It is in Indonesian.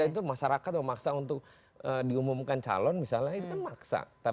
itu masyarakat memaksa untuk diumumkan calon misalnya itu kan maksa